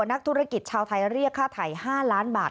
นักธุรกิจชาวไทยเรียกค่าไถ่๕ล้านบาท